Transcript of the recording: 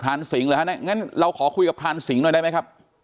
ทานสิงหรือครับงั้นเราขอคุยกับทานสิงหน่อยได้ไหมครับ